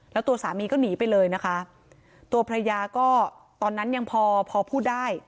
แล้วตัวสามีก็หนีไปเลยนะคะตัวภรรยาก็ตอนนั้นยังพอพอพูดได้